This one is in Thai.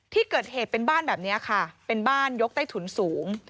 ที่เกิดเหตุเป็นบ้านแบบนี้ค่ะเป็นบ้านยกใต้ถุนสูง